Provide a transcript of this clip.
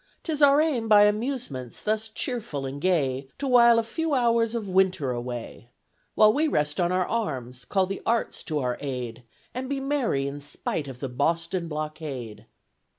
'Tis our Aim by Amusement thus chearful and gay, To wile a few Hours of Winter away: While we rest on our arms, call the Arts to our Aid, And be merry in spite of the BOSTON BLOCKADE.